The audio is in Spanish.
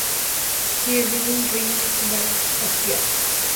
Kirby Right Back at Ya!